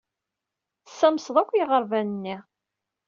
Tessamsed akk i yiɣerban-nni.